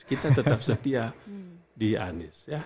kita tetap setia di anies